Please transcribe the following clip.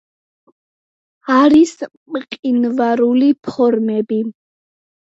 არის მყინვარული ფორმები.